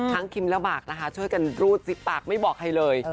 คิมและหมากนะคะช่วยกันรูดซิกปากไม่บอกใครเลย